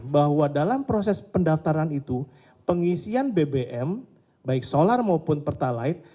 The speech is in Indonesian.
bahwa dalam proses pendaftaran itu pengisian bbm baik solar maupun pertalite